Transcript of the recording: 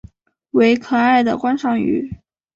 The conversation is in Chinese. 为可爱的观赏鱼。